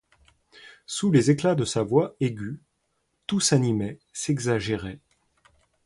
Sous les éclats de sa voix aiguë, tout s'animait, s'exagérait.